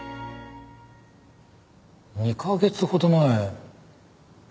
２カ月ほど前。